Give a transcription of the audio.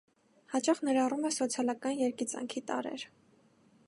Հաճախ ներառում է սոցիալական երգիծանքի տարրեր։